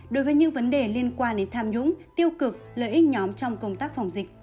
đối với những vấn đề liên quan đến tham nhũng tiêu cực lợi ích nhóm trong công tác phòng dịch